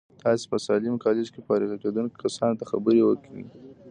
تاسې په ساليم کالج کې فارغېدونکو کسانو ته خبرې وکړې.